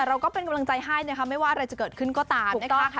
เราก็เป็นกำลังใจให้นะคะไม่ว่าอะไรจะเกิดขึ้นก็ตามนะคะ